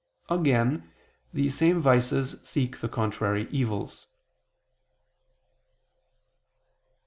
_ Again, these same vices seek the contrary evils.